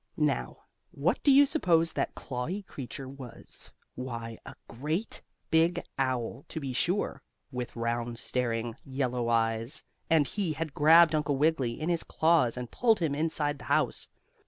Now, what do you suppose that clawy creature was? Why, a great, big owl, to be sure, with round, staring, yellow eyes, and he had grabbed Uncle Wiggily in his claws, and pulled him inside the house.